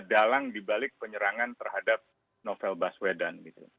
ini adalah dalang di balik penyerangan terhadap novel baswedan gitu